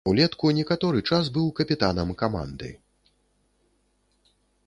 Улетку некаторы час быў капітанам каманды.